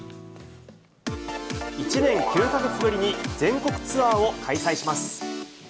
１年９か月ぶりに全国ツアーを開催します。